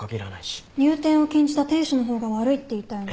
入店を禁じた店主の方が悪いって言いたいの？